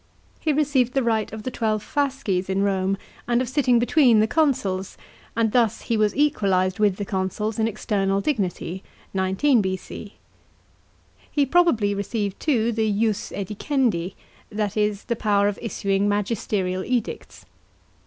He received the right of the twelve fasces in Rome, and of sitting between the consuls, and thus he was equalised with the consuls in external dignity (19 B.C.). He probably received too the ius edicendi, that is, the power of issuing magisterial edicts.